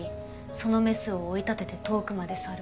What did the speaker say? そのメスを追い立てて遠くまで去る。